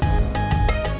ya ada tiga orang